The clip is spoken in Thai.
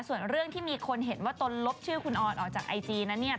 ส่วนเรื่องที่มีคนเห็นว่าตนลบชื่อคุณออนออกจากไอจีนั้นเนี่ย